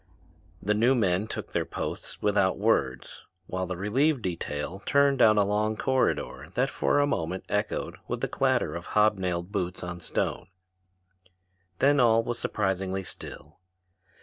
The new men took their posts without words while the relieved detail turned down a long corridor that for a moment echoed with the clatter of hobnailed boots on stone. Then all was surprisingly still.